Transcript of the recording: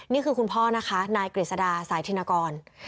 นี่คือคุณพ่อนะคะนายกฤษดาสายธินกร